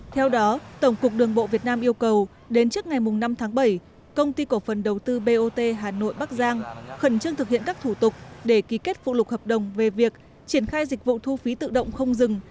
theo đó tổng cục đường bộ việt nam yêu cầu đến trước ngày năm tháng bảy công ty cổ phần đầu tư bot hà nội bắc giang khẩn trương thực hiện các thủ tục để ký kết phụ lục hợp đồng về việc triển khai dịch vụ thu phí tự động không dừng